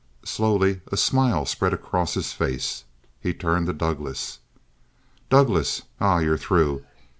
Slowly a smile spread across his face. He turned to Douglass. "Douglass ah, you're through.